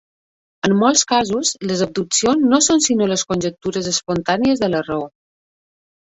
En molts casos les abduccions no són sinó les conjectures espontànies de la raó.